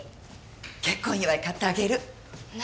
結婚祝い買ってあげる何？